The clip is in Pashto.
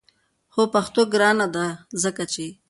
هو پښتو ګرانه ده! ځکه چې